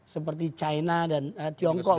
seperti china dan tiongkok